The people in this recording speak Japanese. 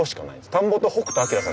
田んぼと北斗さん。